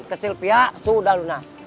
kesilpia sudah lunas